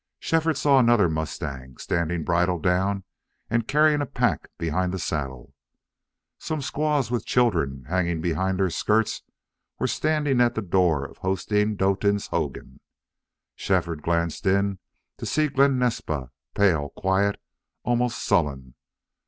Shefford saw another mustang, standing bridle down and carrying a pack behind the saddle. Some squaws with children hanging behind their skirts were standing at the door of Hosteen Doetin's hogan. Shefford glanced in to see Glen Naspa, pale, quiet, almost sullen.